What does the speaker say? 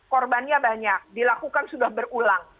korbannya banyak dilakukan sudah berulang